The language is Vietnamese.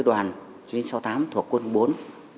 đặc biệt là văn bản không đồng ý